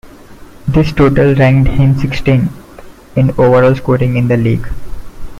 This total ranked him sixteenth in overall scoring in the league.